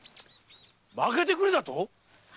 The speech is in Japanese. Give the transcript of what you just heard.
負けてくれだと⁉〕